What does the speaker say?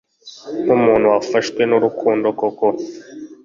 nkumuntu wafashwe nurukundo koko